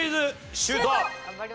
シュート！